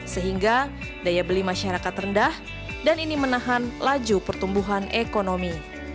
sehingga daya beli masyarakat rendah dan ini menahan laju pertumbuhan ekonomi